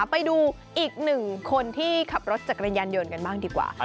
ไปดูอีกหนึ่งคนที่ขับรถจักรยานยนต์กันบ้างดีกว่า